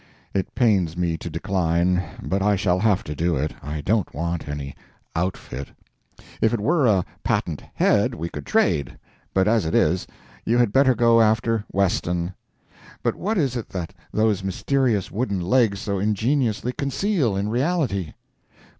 It pains me to decline, but I shall have to do it. I don't want any "outfit." If it were a patent head, we could trade—but as it is, you had better go after Weston. But what is it that those mysterious wooden legs so ingeniously conceal, in reality?